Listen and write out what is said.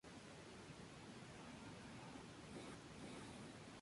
Algo similar ocurre si se admiten deformaciones del álgebra para tener grupos cuánticos.